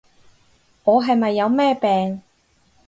我係咪有咩病？